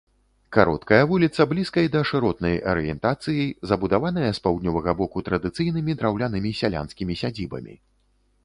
Кароткая вуліца блізкай да шыротнай арыентацыі забудаваная з паўднёвага боку традыцыйнымі драўлянымі сялянскімі сядзібамі.